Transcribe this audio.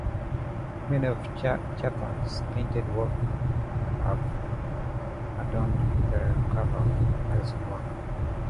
Many of Chatham's painted works have adorned the covers of Harrison's works.